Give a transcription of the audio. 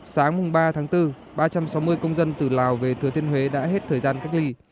sáng ba tháng bốn ba trăm sáu mươi công dân từ lào về thừa thiên huế đã hết thời gian cách ly